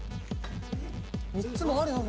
３つもあるの？